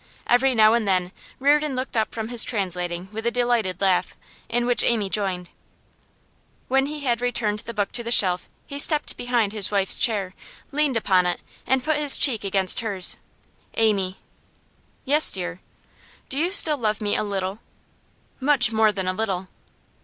Every now and then Reardon looked up from his translating with a delighted laugh, in which Amy joined. When he had returned the book to the shelf he stepped behind his wife's chair, leaned upon it, and put his cheek against hers. 'Amy!' 'Yes, dear?' 'Do you still love me a little?' 'Much more than a little.